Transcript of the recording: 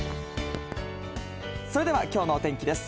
それではきょうのお天気です。